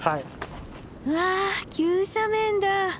うわ急斜面だ。